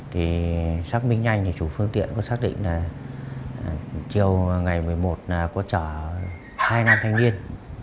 thì xác minh nhanh thì chủ phương tiện có xác định là chiều ngày một mươi một là có chở hai nam thanh niên